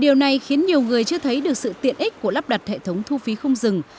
điều này khiến nhiều người chưa thấy được sự tiện ích của lắp đặt hệ thống thu phí không dừng